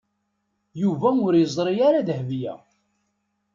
Yuba ur yegzi ara Dahbiya.